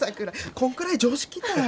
こんくらい常識たい。